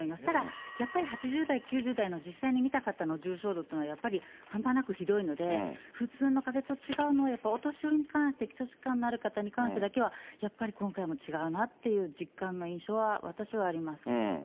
ただ、やっぱり８０代、９０代の実際に診た方の重症度っていうのはやっぱり、半端なくひどいので、普通のかぜと違うのは、お年寄りに関して、基礎疾患のある方に関してだけはやっぱり今回も違うなという実感の印象は、私はありますけれど。